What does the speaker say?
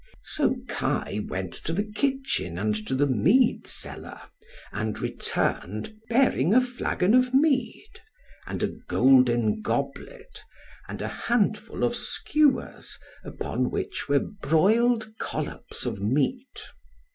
So Kai went to the kitchen and to the mead cellar, and returned, bearing a flagon of mead, and a golden goblet, and a handful of skewers upon which were broiled collops of meat.